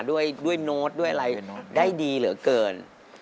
ด้วยโน้ตด้วยอะไรได้ดีเหลือเกิน